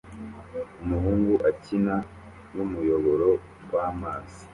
Umuhungu akina numuyoboro wamazi